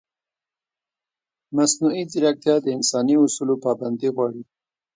مصنوعي ځیرکتیا د انساني اصولو پابندي غواړي.